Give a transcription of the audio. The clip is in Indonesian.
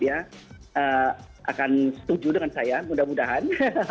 saya akan setuju dengan saya mudah mudahan